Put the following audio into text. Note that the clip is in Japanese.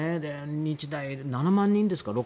日大、７万人ですか。